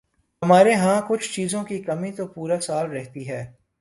ہمارے ہاں کچھ چیزوں کی کمی تو پورا سال رہتی ہے۔